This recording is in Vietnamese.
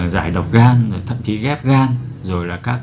giải độc gang thậm chí ghép gan rồi là các